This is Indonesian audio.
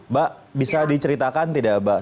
mbak bisa diceritakan tidak mbak